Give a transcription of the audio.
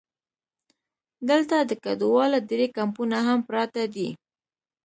دلته د کډوالو درې کمپونه هم پراته دي.